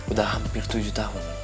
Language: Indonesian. udah hampir tujuh tahun